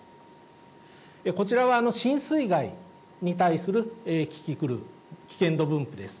こちらは浸水害に対するキキクル、危険度分布です。